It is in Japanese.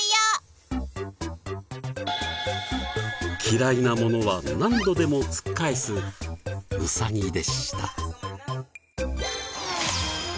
嫌いなものは何度でも突っ返すウサギでした。